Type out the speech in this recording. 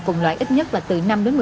cùng loại ít nhất là từ năm một mươi